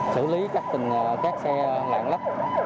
xử lý các tình các xe lạng lấp